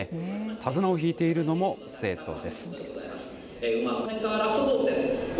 手綱を引いているのも生徒です。